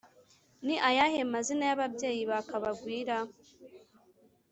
Ni ayahe mazina y’ababyeyi ba kabagwira?